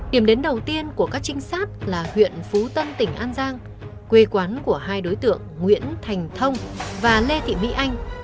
điểm đến đầu tiên của các trinh sát là huyện phú tân tỉnh an giang quê quán của hai đối tượng nguyễn thành thông và lê thị mỹ anh